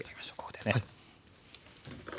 ここでね。